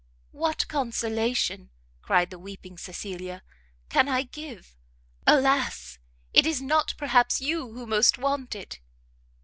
"What consolation," cried the weeping Cecilia, "can I give? Alas! it is not, perhaps, you who most want it!